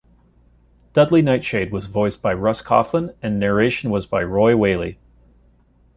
Dudley Nightshade was voiced by Russ Coughlan, and narration was by Roy Whaley.